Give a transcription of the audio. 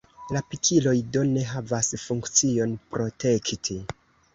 La pikiloj do ne havas funkcion protekti.